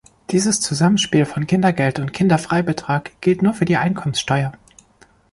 Dieses Zusammenspiel von Kindergeld und Kinderfreibetrag gilt nur für die Einkommensteuer.